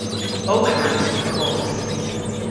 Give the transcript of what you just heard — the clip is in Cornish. Ow hath yw koth.